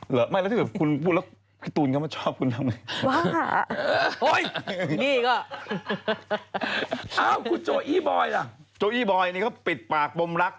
หรือไม่แล้วถ้าเกิดคุณพูดแล้วพี่ตูนเขามาชอบคุณทำไม